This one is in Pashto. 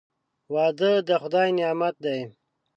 • واده د خدای نعمت دی.